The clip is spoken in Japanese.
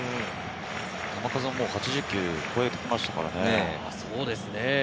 球数８０球を超えてきましたからね。